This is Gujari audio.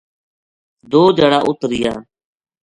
دو دھیاڑا اُت رہیا